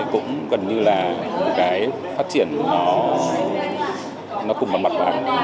cũng gần như là một cái phát triển nó cũng bằng mặt bằng